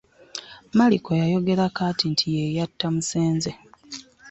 Maliko yayogera kaati nti ye yatta Musenze.